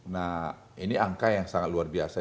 nah ini angka yang sangat luar biasa